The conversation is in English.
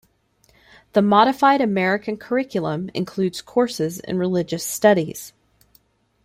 The modified American curriculum includes courses in Religious Studies.